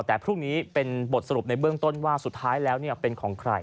แต่พรุ่งนี้เป็นบทสรุปในเบื้องต้นว่าสุดท้ายแล้วเป็นของใคร